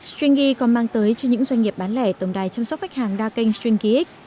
stringy còn mang tới cho những doanh nghiệp bán lẻ tổng đài chăm sóc khách hàng đa kênh stringgix